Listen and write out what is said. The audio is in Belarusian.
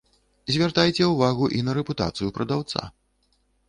Звяртайце ўвагу і на рэпутацыю прадаўца.